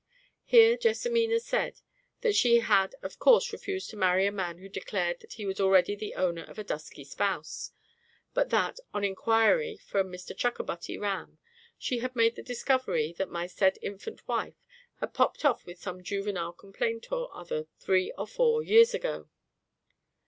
Here JESSIMINA said that she had of course refused to marry a man who declared that he was already the owner of a dusky spouse, but that, on inquiries from Mr CHUCKERBUTTY RAM, she had made the discovery that my said infant wife had popped off with some juvenile complaint or other three or four years ago.